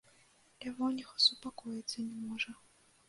Лявоніха супакоіцца не можа.